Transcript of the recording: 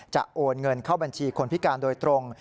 โอนเงินเข้าบัญชีคนพิการโดยตรง